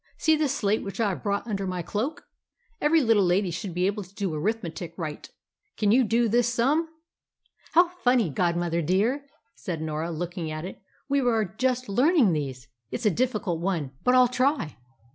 See this slate which I have brought under my cloak. Every little lady should be able to do arithmetic right. Can you do this sum?" "How funny, godmother dear!" said Norah, looking at it. "We are just learning these. It's a difficult one, but I'll try."